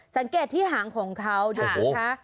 สังเกตที่หางของเขาดูสิคะ